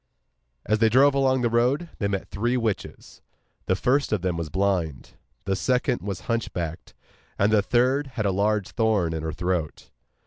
As they drove along the road they met three witches; the first of them was blind, the second was hunchbacked, and the third had a large thorn in her throat.